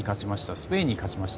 スペインに勝ちました。